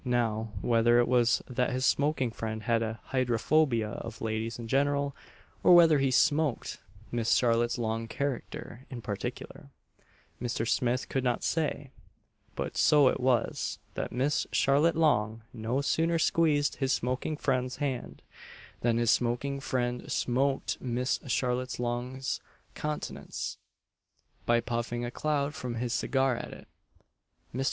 Now, whether it was that his smoking friend had "a hydrophobia" of ladies in general, or whether he smoked Miss Charlotte Long's character in particular, Mr. Smith could not say; but so it was, that Miss Charlotte Long no sooner squeezed his smoking friend's hand, than his smoking friend smoked Miss Charlotte Long's countenance, by puffing a cloud from his cigar at it. Mr.